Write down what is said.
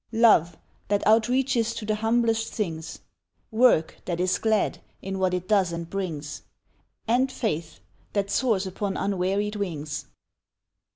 Love, that outreaches to the humblest things; Work that is glad, in what it does and brings; And faith that soars upon unwearied wings.